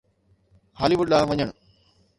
هالي wood ڏانهن وڃڻ